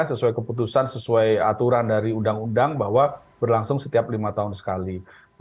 sesuai keputusan sesuai aturan dari undang undang bahwa berlangsung setiap lima tahun sekali